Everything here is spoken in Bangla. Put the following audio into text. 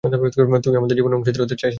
তুই আমার জীবনের অংশীদার হতে চাস?